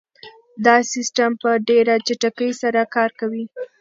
دا سیسټم په ډېره چټکۍ سره کار کوي.